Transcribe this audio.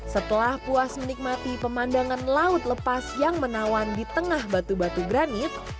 setelah puas menikmati pemandangan laut lepas yang menawan di tengah batu batu granit